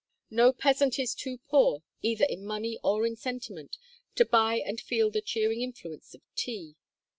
No peasant is too poor, either in money or in sentiment, to buy and feel the cheering influence of tea.